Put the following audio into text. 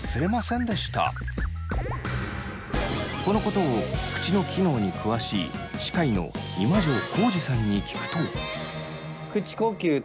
このことを口の機能に詳しい歯科医の今城広治さんに聞くと。